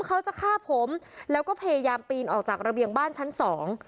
เขาจะฆ่าผมแล้วก็พยายามปีนออกจากระเบียงบ้านชั้นสอง